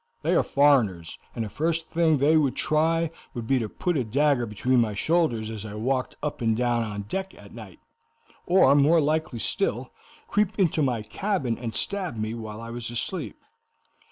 They are foreigners, and the first thing they would try would be to put a dagger between my shoulders as I walked up and down on deck at night, or, more likely still, creep into my cabin and stab me while I was asleep.